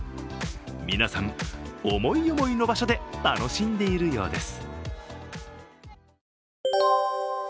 皆さん、思い思いの場所で楽しんでいるようです。